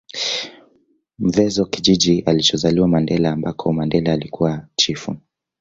Mvezo kijiji alichozaliwa Mandela ambako Mandela alikuwa chifu